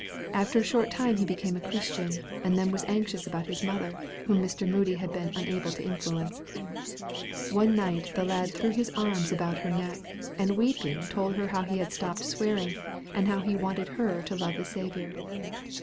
After a short time he became a Christian, and then was anxious about his mother, whom Mr. Moody had been unable to influence. One night the lad threw his arms about her neck, and weeping told her how he had stopped swearing, and how he wanted her to love the Saviour.